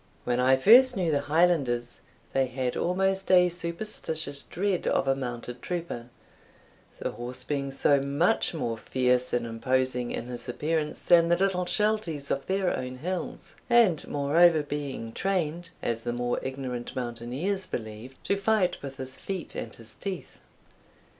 When I first knew the Highlanders, they had almost a superstitious dread of a mounted trooper, the horse being so much more fierce and imposing in his appearance than the little shelties of their own hills, and moreover being trained, as the more ignorant mountaineers believed, to fight with his feet and his teeth.